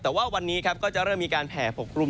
แต่ว่าวันนี้ครับก็จะเริ่มมีการแผ่ปกครุม